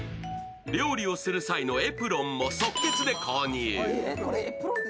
料理をする際のエプロンも即決で購入。